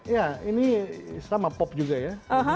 ya ini sama pop juga ya